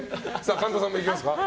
神田さんもいきますか。